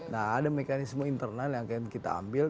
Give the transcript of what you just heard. nah ada mekanisme internal yang akan kita ambil